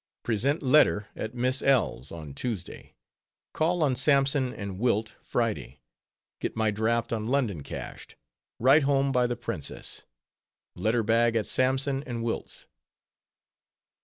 _ Present letter at Miss L——'s on Tuesday. Call on Sampson & Wilt, Friday. Get my draft on London cashed. Write home by the Princess. _Letter bag at Sampson and Wilt's.